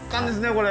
これ。